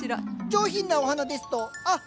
上品なお花ですとあっ